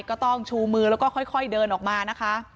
ก็ต้องชูมือแล้วก็ค่อยเดินออกมานะคะ